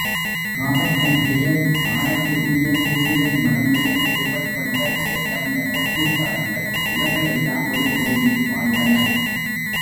காவற்கணிகையர், ஆடற் கூத்தியர், பூவிலை மடந்தையர், ஏவல் பெண்கள், இசைக்கலைஞர்கள், கூத்தாடிகள் இவர்கள் எல்லாம் ஒருபகுதியில் வாழ்ந்தனர்.